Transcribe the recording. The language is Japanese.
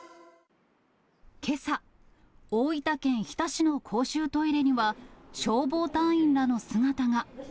けさ、大分県日田市の公衆トイレには、消防隊員らの姿が。